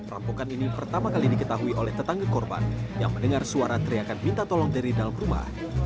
perampokan ini pertama kali diketahui oleh tetangga korban yang mendengar suara teriakan minta tolong dari dalam rumah